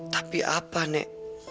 tapi apa nek